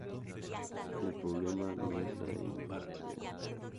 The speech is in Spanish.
el problema no es de la industria